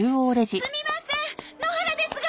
すみません野原ですが。